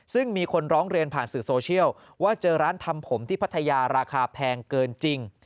ซึ่งมีคนร้องเรียนผ่านสื่อโซเชียลว่าเจอร้านทำผมที่พัทยาราคาแพงเกินจริง